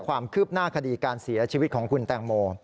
ความคืบหน้าคดีการเสียชีวิตของคุณแตงโม